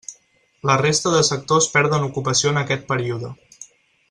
La resta de sectors perden ocupació en aquest període.